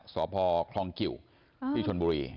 สพคลองกิวที่ชนบุรี